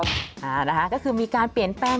อ่านะคะก็คือมีการเปลี่ยนแปลง